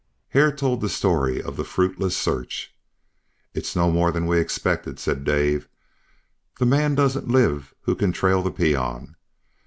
Hare told the story of the fruitless search. "It's no more than we expected," said Dave. "The man doesn't live who can trail the peon.